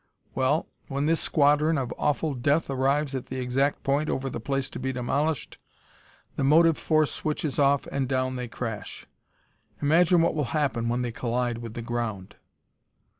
Well, when this squadron of awful death arrives at the exact point over the place to be demolished, the motive force switches off and down they crash. Imagine what will happen when they collide with the ground!"